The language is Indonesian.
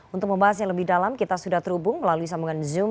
untuk membahas yang lebih dalam kita sudah terhubung melalui sambungan zoom